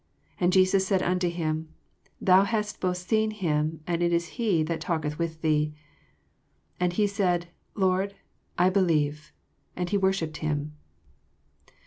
37 And Jesus said unto him. The a hast both seen him, and it is he that talketh with thee. 38 And he said, Lord, I believe. And he worshipped him.